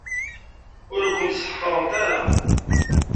Ur kent-ssḥeqrent ara.